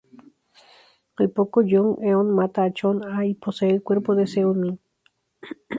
Al poco, Young-eon mata a Choh-ah y posee el cuerpo de Seon-min.